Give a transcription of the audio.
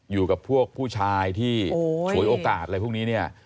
อยู่กับพวกผู้ชายที่ฉวยโอกาสอะไรพวกนี้เนี่ย